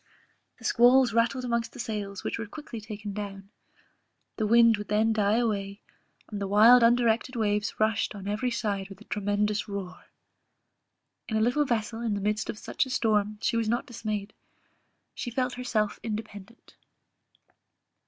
The squalls rattled amongst the sails, which were quickly taken down; the wind would then die away, and the wild undirected waves rushed on every side with a tremendous roar. In a little vessel in the midst of such a storm she was not dismayed; she felt herself independent.